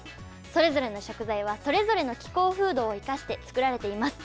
それぞれの食材はそれぞれの気候風土を生かして作られています。